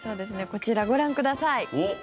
こちらご覧ください。